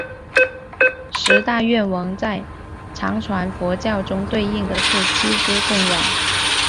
十大愿王在藏传佛教中对应的是七支供养。